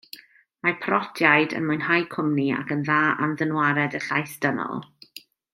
Mae parotiaid yn mwynhau cwmni ac yn dda am ddynwared y llais dynol.